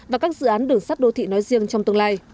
và các dự án đường sắt đô thị nói riêng trong tương lai